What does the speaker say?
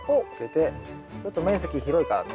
ちょっと面積広いからね。